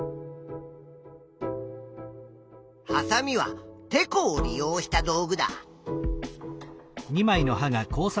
はさみはてこを利用した道具だ。